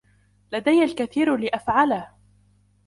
لدي الكثير لأفعله.